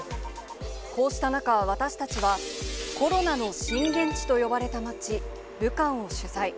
こうした中、私たちは、コロナの震源地と呼ばれた街、武漢を取材。